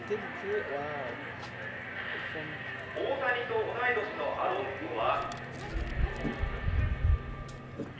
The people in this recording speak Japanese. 大谷と同い年のアロンソは。